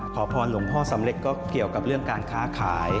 ขอพรหลวงพ่อสำเร็จก็เกี่ยวกับเรื่องการค้าขาย